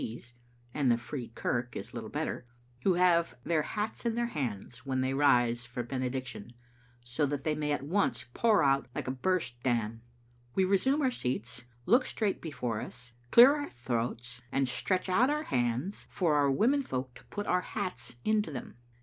's(and the Free Kirk is little better), who have their hats in their hand when they rise for the benedic tion, so that they may at once pour out like a burst dam. We resume our seats, look straight before us, clear our throats and stretch out our hands for our Digitized by VjOOQ IC to «be »ttle Ainfdtet. womenfolk to put our hats into them.